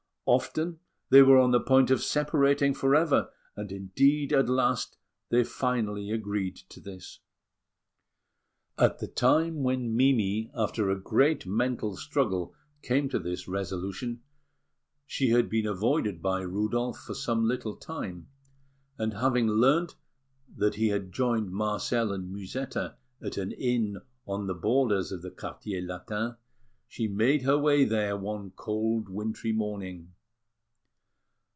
Often they were on the point of separating for ever; and, indeed, at last they finally agreed to this. At the time when Mimi, after a great mental struggle, came to this resolution, she had been avoided by Rudolf for some little time; and, having learnt that he had joined Marcel and Musetta at an inn on the borders of the Latin Quartier, she made her way there one cold wintry morning.